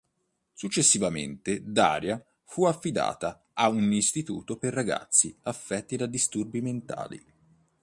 Successivamente Daria fu affidata a un istituto per ragazzi affetti da disturbi mentali.